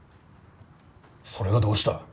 それがどうした。